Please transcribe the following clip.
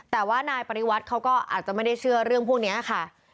แต่ว่านายปริวัติเขาก็อาจจะไม่ได้เชื่อเรื่องพวกนี้ค่ะ